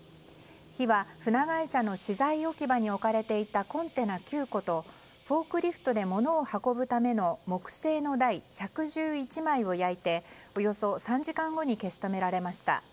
火は船会社の資材置き場に置かれていたコンテナ９個とフォークリフトで物を運ぶための木製の台１１１枚を焼いておよそ３時間後に消し止められました。